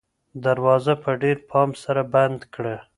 دروازه په ډېر پام سره بنده کړه.